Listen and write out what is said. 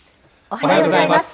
おはようございます。